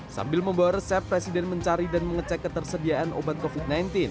sambil membawa resep presiden mencari dan mengecek ketersediaan obat covid sembilan belas